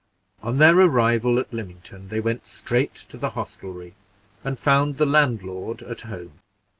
On their arrival at Lymington, they went straight to the hostelry, and found the landlord at home.